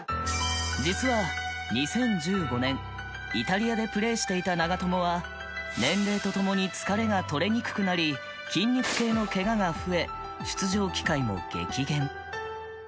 実は２０１５年イタリアでプレーしていた長友は年齢とともに疲れが取れにくくなり筋肉系のケガが増え出場機会も激減。